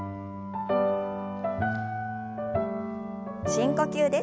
深呼吸です。